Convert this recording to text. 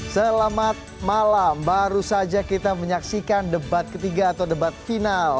selamat malam baru saja kita menyaksikan debat ketiga atau debat final